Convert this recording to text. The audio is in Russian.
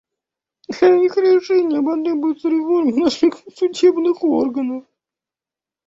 Для их решения потребуется реформа наших судебных органов.